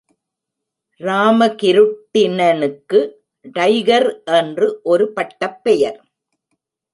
ராமகிருட்டிணனுக்கு tiger என்று ஒரு பட்டப்பெயர்.